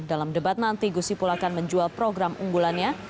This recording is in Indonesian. dalam debat nanti gusipo akan menjual program unggulannya